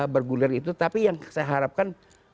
bergulir itu tapi yang saya harapkan